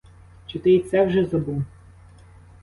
Чи ти й це вже забув?